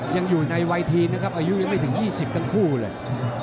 ยังอยู่ในวัยทีนนะครับอายุยังไม่ถึง๒๐ทั้งคู่เลย